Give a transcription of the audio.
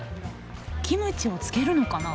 キムチを漬けるのかな？